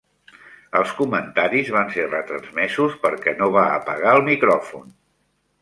Els comentaris van ser retransmesos perquè no va apagar el micròfon.